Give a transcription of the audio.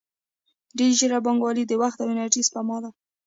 ډیجیټل بانکوالي د وخت او انرژۍ سپما ده.